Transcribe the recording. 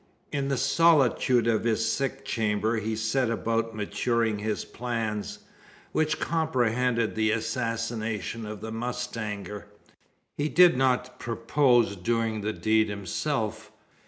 In the solitude of his sick chamber he set about maturing his plans; which comprehended the assassination of the mustanger. He did not purpose doing the deed himself.